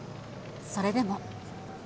それでも。